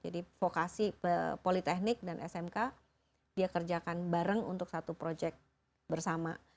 jadi vokasi politeknik dan smk dia kerjakan bareng untuk satu proyek bersama